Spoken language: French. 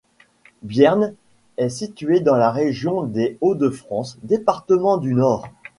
Bierne est situé dans la région des Hauts-de-France, département du Nord.